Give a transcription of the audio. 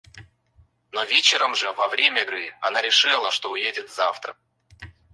Но вечером же, во время игры, она решила, что уедет завтра.